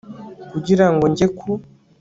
kugira ngo njye ku